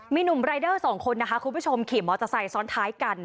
มีหนุ่มรายเดอร์สองคนนะคะคุณผู้ชมขี่มอเตอร์ไซค์ซ้อนท้ายกัน